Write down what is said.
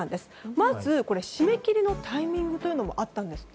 まず、締め切りのタイミングもあったんですって。